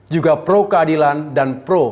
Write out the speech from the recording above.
juga pro keadilan dan pro